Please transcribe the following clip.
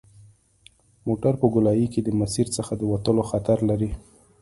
موټر په ګولایي کې د مسیر څخه د وتلو خطر لري